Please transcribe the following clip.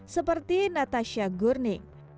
seperti natasha gurning